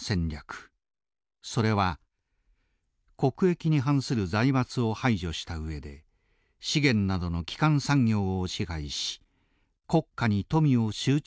それは国益に反する財閥を排除したうえで資源などの基幹産業を支配し国家に富を集中させることでした。